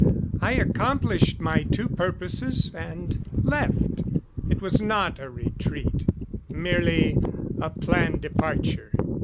I accomplished my two purposes and left.... It was not a retreat, merely a planned departure.